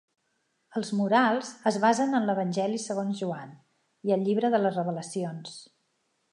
Els murals es basen en l'Evangeli segons Joan i el llibre de les Revelacions.